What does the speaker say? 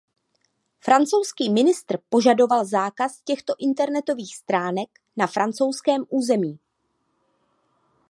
Francouzský ministr požadoval zákaz těchto internetových stránek na francouzském území.